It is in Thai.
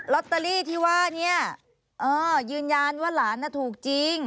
ลอตเตอรี่ที่ว่าเนี่ยยืนยันว่าหลานถูกจริง